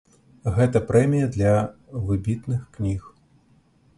Гэта прэмія для выбітных кніг.